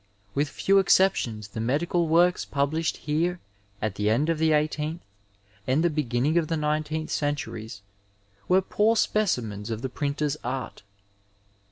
With few exceptions the medical works published here at the end of the eighteenth and the beginning of the nineteenth oen tnries were poor Specimens of the printer's art.